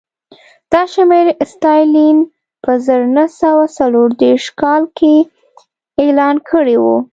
دا شمېر ستالین په زر نه سوه څلور دېرش کال کې اعلان کړی و